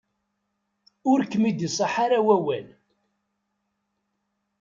Ur kem-id-iṣaḥ ara wawal.